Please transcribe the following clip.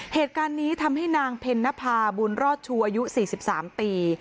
เหตุการณ์นี้ทำให้นางเพ็ญนภาบุญรอดชูอายุ๔๓ปี